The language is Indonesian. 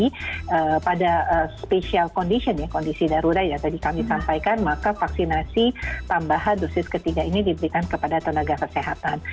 jadi pada special condition kondisi darurat yang tadi kami sampaikan maka vaksinasi tambahan dosis ketiga ini diberikan kepada tenaga kesehatan